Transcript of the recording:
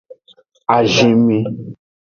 Azinmi.